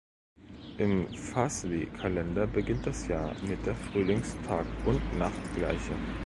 Im Fasli-Kalender beginnt das Jahr mit der Frühlingstagundnachtgleiche.